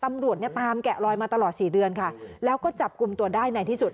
ตำรวจตามแกะลอยมาตลอด๔เดือนแล้วก็จับกลุ่มตัวได้ไหนที่สุด